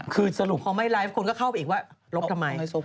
พูดอะไรไปก็ไม่รู้อ่ะพอไม่ไลฟ์คนก็เข้าไปอีกว่าลบทำไม